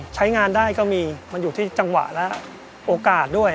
ใช้งานได้ก็มีมันอยู่ที่จังหวะและโอกาสด้วย